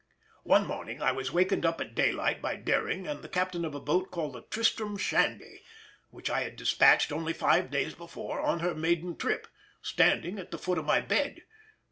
One morning I was wakened up at daylight by Doering and the captain of a boat called the Tristram Shandy, which I had despatched only five days before on her maiden trip, standing at the foot of my bed.